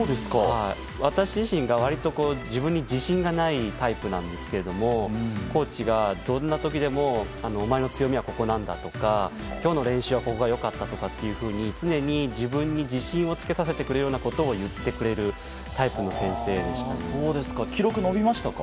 私自身が、割と自分に自信がないタイプなんですけどコーチが、どんな時でもお前の強みはここなんだとか今日の練習はここが良かったというふうに常に自分に自信をつけさせてくれるようなことを言ってくれるタイプの先生でしたね。